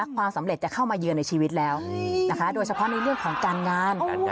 ความสำเร็จจะเข้ามาเยือนในชีวิตแล้วโดยเฉพาะในเรื่องของการงาน